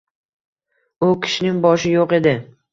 U kishining boshi yo‘q edi.